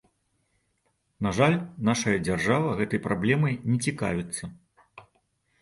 На жаль, нашая дзяржава гэтай праблемай не цікавіцца.